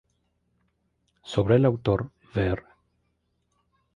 Sobre el autor ver